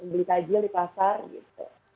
beli tajil di pasar gitu